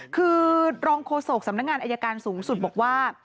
คือรองโฆษกสำนักงานอายการสูงสุดบอกว่า